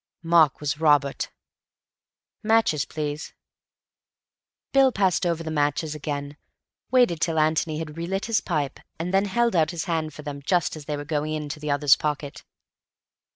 Mark was Robert.... Matches, please." Bill passed over the matches again, waited till Antony had relit his pipe, and then held out his hand for them, just as they were going into the other's pocket.